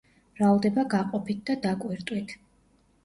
მრავლდება გაყოფით და დაკვირტვით.